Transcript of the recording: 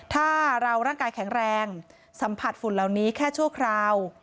ถ้าเราร่างกายแข็งแรงสัมผัสฝุ่นเหล่านี้แค่ชั่วคราว